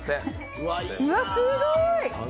うわ、すごい！